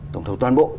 tổng thầu toàn bộ